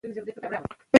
د ملا سم ملاتړ برابر کړئ.